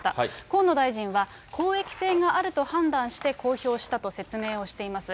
河野大臣は、公益性があると判断して、公表したと説明をしています。